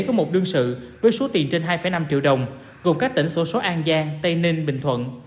có một đương sự với số tiền trên hai năm triệu đồng gồm các tỉnh sổ số an giang tây ninh bình thuận